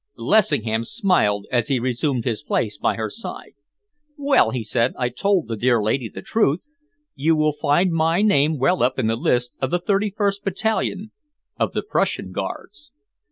Lessingham smiled as he resumed his place by her side. "Well," he said, "I told the dear lady the truth. You will find my name well up in the list of the thirty first battalion of the Prussian Guards."